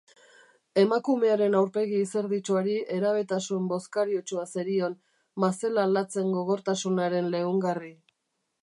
Emakumearen aurpegi izerditsuari herabetasun bozkariotsua zerion, mazela latzen gogortasunaren leungarri.